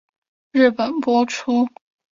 日本播出。